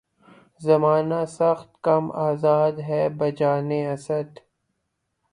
زمانہ سخت کم آزار ہے بجانِ اسد